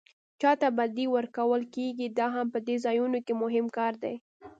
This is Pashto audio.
چاته بډې ورکول کېږي دا هم په دې ځایونو کې مهم کار دی.